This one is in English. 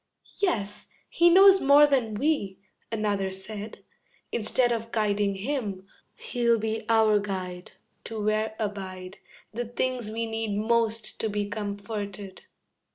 "Yes, he knows more than we," another said, "Instead of guiding him, he'll be our guide To where abide The things we need most to be comforted."